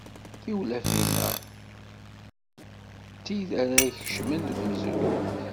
Tiwlafin-a d tid ara ikecmen deg umezruy.